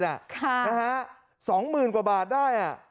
ค่ะนะฮะสองหมื่นกว่าบาทได้